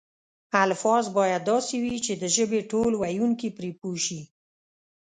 الفاظ باید داسې وي چې د ژبې ټول ویونکي پرې پوه شي.